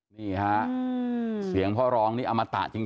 นี่ฮะเสียงพ่อร้องนี่อมตะจริง